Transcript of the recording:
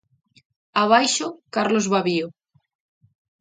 Abaixo: Carlos Babío.